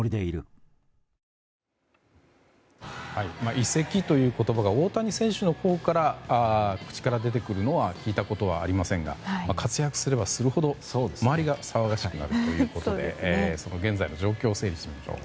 移籍という言葉が大谷選手の口から出てくるのは聞いたことはありませんが活躍すればするほど周りが騒がしくなるということで現在の状況を整理しましょう。